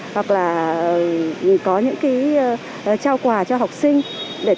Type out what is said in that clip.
hoặc là có những trao quà cho học sinh